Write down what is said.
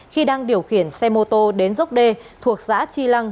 khi đang điều khiển xe mô tô đến dốc đê thuộc xã tri lăng